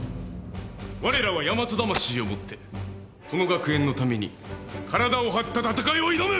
われらは大和魂を持ってこの学園のために体を張った戦いを挑む！